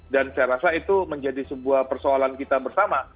dan saya rasa itu menjadi sebuah persoalan kita bersama